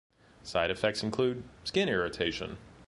Side effects include skin irritation.